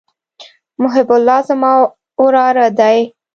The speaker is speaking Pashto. محب الله زما وراره دئ.